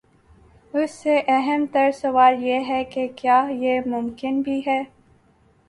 اس سے اہم تر سوال یہ ہے کہ کیا یہ ممکن بھی ہے؟